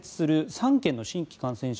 ３県の新規感染者